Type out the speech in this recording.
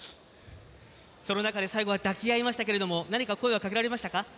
その中で、最後は抱き合いましたけれども何か声はかけられましたか。